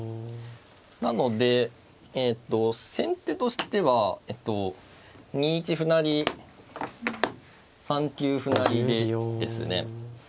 なので先手としては２一歩成３九歩成でですね